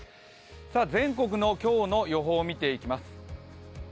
全国の今日の予報を見ていきます。